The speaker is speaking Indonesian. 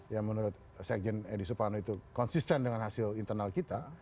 yang menurut sekjen edi suparno itu konsisten dengan hasil internal kita